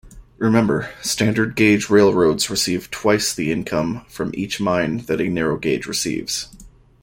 Remember, standard-gauge railroads receive twice the income from each mine that a narrow-gauge receives.